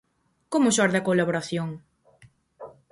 Como xorde a colaboración?